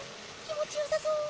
気もちよさそう。